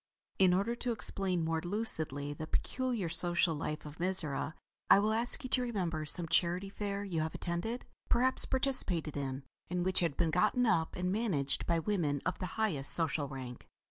In order to explain more lucidly the peculiar social life of Mizora, I will ask you to remember some Charity Fair you have attended, perhaps participated in, and which had been gotten up and managed by women of the highest social rank.